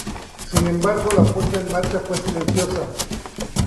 Sin embargo, la puesta en marcha fue silenciosa.